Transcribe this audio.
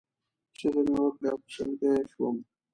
چغې مې وکړې او په سلګیو شوم.